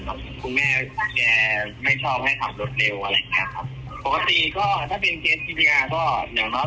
คุณแม่แกไม่ชอบให้ขับรถเร็วอะไรอย่างนี้หรอกครับ